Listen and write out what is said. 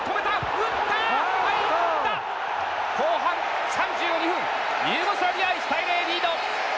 後半３２分ユーゴスラビア１対０リード！